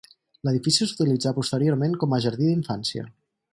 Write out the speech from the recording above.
L'edifici s'utilitzà posteriorment com a jardí d'infància.